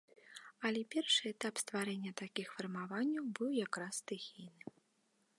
Але першы этап стварэння такіх фармаванняў быў як раз стыхійным.